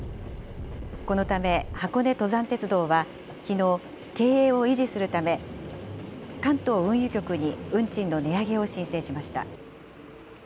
このため、箱根登山鉄道は、きのう、経営を維持するため、関東運輸局に運賃の値上げを申請しました。